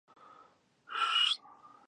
شته مني لکه لولۍ چي د سړي غیږي ته لویږي